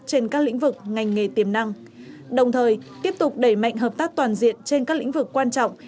trên các lĩnh vực ngành nghề tiềm năng đồng thời tiếp tục đẩy mạnh hợp tác toàn diện trên các lĩnh vực quan trọng